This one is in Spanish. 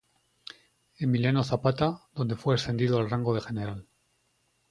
Emiliano Zapata, donde fue ascendido al rango de general.